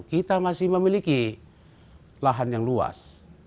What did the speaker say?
kita masih memiliki lahan yang luas